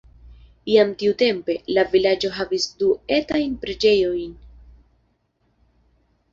Jam tiutempe, la vilaĝo havis du etajn preĝejojn.